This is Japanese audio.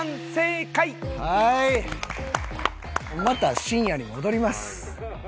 また深夜に戻ります。